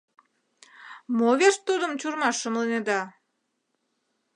Мо верч тудым чурмаш шымлынеда?